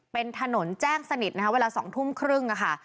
เป็นถนนแจ้งสนิทนะคะเวลา๒ทุ่มครึ่งค่ะ